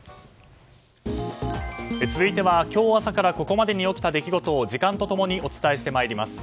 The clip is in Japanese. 続いては今日朝からここまでに起きた出来事を時間と共にお伝えして参ります。